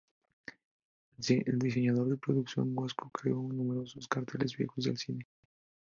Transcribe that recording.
El diseñador de producción, Wasco, creó numerosos carteles viejos de cine.